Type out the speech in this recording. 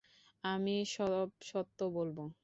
আমি সব সত্য বলব!